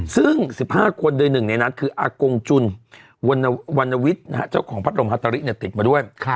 ซึ่ง๑๕คนโดยหนึ่งในนั้นคืออากงจุนวรรณวิทย์เจ้าของพัดลมฮาตาริติดมาด้วย